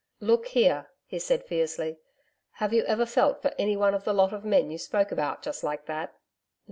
Look here,' he said fiercely, 'have you ever felt for any one of the lot of men you spoke about just like that?'